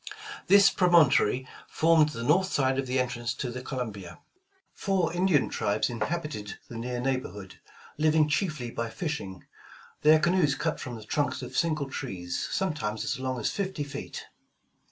This prom ontory formed the north side of the entrance to the Columbia. Four Indian tribes inhabited the near neighborhood, living chiefly by fishing, their canoes cut from the trunks of single trees, sometimes as long as fifty feet.